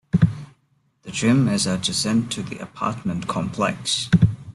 The gym is adjacent to the apartment complex.